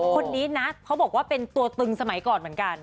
คนนี้นะเขาบอกว่าเป็นตัวตึงสมัยก่อนเหมือนกัน